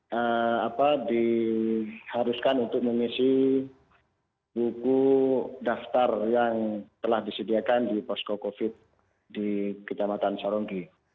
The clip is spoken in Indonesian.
dan juga diharuskan untuk mengisi buku daftar yang telah disediakan di posko covid di ketamatan saronggi